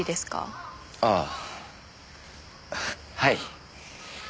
ああはい。